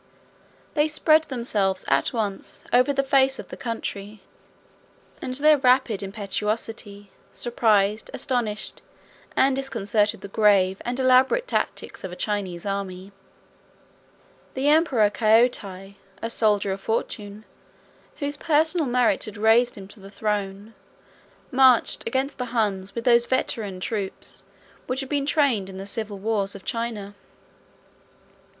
They spread themselves at once over the face of the country; and their rapid impetuosity surprised, astonished, and disconcerted the grave and elaborate tactics of a Chinese army. The emperor Kaoti, 34 a soldier of fortune, whose personal merit had raised him to the throne, marched against the Huns with those veteran troops which had been trained in the civil wars of China.